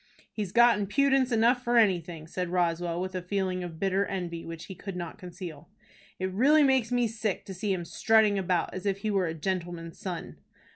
"He's got impudence enough for anything," said Roswell, with a feeling of bitter envy which he could not conceal. "It really makes me sick to see him strutting about as if he were a gentleman's son."